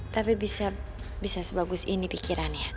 tapi bisa sebagus ini pikirannya